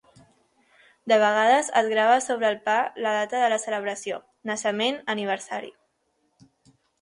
De vegades es grava sobre el pa la data de la celebració, naixement, aniversari.